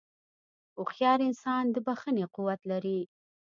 هوښیار انسان د بښنې قوت لري.